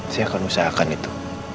saya akan usahakan itu